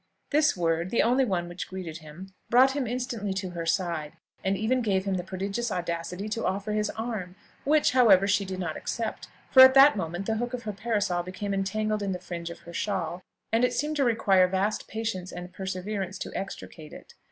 This word, the only one which greeted him, brought him instantly to her side, and even gave him the prodigious audacity to offer his arm, which, however, she did not accept; for at that moment the hook of her parasol became entangled in the fringe of her shawl, and it seemed to require vast patience and perseverance to extricate it.